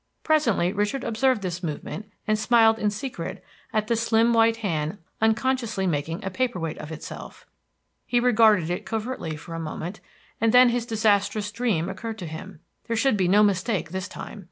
Presently Richard observed this movement and smiled in secret at the slim white hand unconsciously making a paper weight of itself. He regarded it covertly for a moment, and then his disastrous dream occurred to him. There should be no mistake this time.